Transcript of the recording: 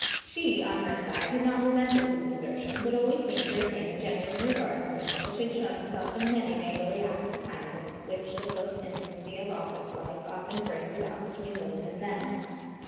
She, on her side, had not resented his dessertion but always seemed to retain a genuine regard for him which had shown itself in many neighborly acts of kindness which the close intimacy of office life often brings about between women and men.